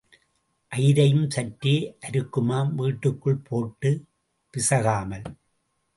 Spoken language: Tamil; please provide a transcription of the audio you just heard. அயிரையும் சற்றே அருக்குமாம் வீட்டுக்குள் போட்டுப் பிசகாமல்.